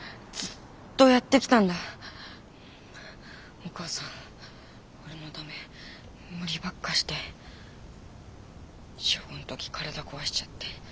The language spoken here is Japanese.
お母さん俺のため無理ばっかして小５ん時体壊しちゃって。